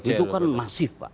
itu kan masif pak